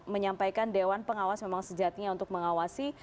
menyampaikan dewan pengawas memang sejatinya untuk mengawasi